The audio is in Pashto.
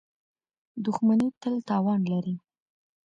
• دښمني تل تاوان لري.